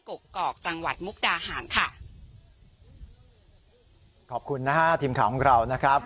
กกอกจังหวัดมุกดาหารค่ะขอบคุณนะฮะทีมข่าวของเรานะครับ